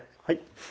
はい。